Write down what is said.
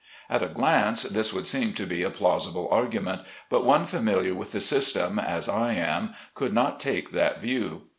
At a glance this would seem to be a plausible argument, but one familiar with the system as I am could not take that view.